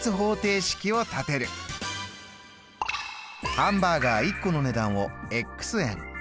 ハンバーガー１個の値段を円。